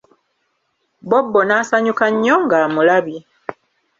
Bobbo n'asanyuka nnyo nga amulabye.